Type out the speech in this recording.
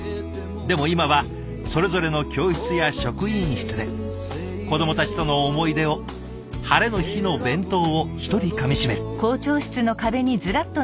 でも今はそれぞれの教室や職員室で子どもたちとの思い出をハレの日のお弁当を１人かみしめる。